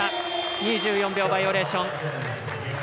２４秒バイオレーション。